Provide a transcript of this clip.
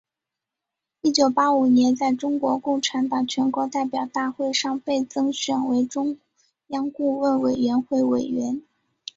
一九八五年在中国共产党全国代表大会上被增选为中央顾问委员会委员。